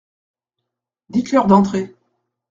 Dites-leur d’entrer.